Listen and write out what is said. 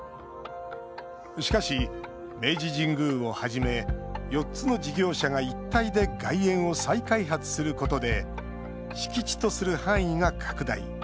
しかし、明治神宮をはじめ４つの事業者が一体で外苑を再開発することで敷地とする範囲が拡大。